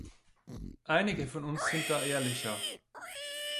Einige von uns sind da ehrlicher.